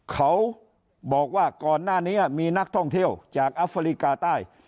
เขาบอกว่าก่อนหน้านี้มีนักท่องเที่ยวจากอัฟริกาใต้